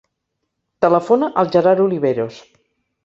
Telefona al Gerard Oliveros.